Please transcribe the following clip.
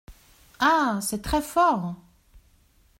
Ah ! c’est très fort !